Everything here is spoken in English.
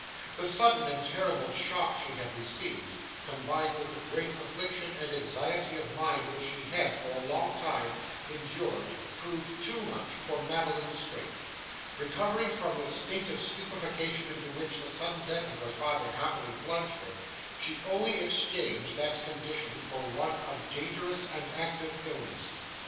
The sudden and terrible shock she had received, combined with the great affliction and anxiety of mind which she had, for a long time, endured, proved too much for Madeline's strength. Recovering from the state of stupefaction into which the sudden death of her father happily plunged her, she only exchanged that condition for one of dangerous and active illness.